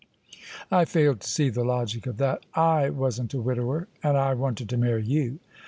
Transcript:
" I fail to see the logic of that. / wasn't a widower and I wanted to marry you.